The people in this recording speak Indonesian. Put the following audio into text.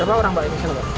beberapa orang pak